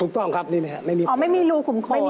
ถูกต้องครับเอาไม่มีรูขุมขน